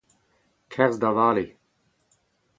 Kerzh da vale !